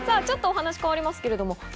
ちょっとお話変わりますけれども。